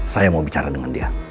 saya mau bicara dengan dia